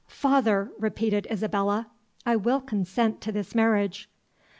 "Father," repeated Isabella, "I will consent to this marriage."